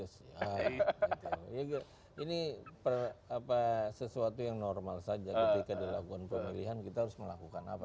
saya kira pks juga sih ini sesuatu yang normal saja ketika dilakukan pemilihan kita harus melakukan apa